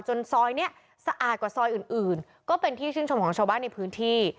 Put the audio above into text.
ซอยนี้สะอาดกว่าซอยอื่นอื่นก็เป็นที่ชื่นชมของชาวบ้านในพื้นที่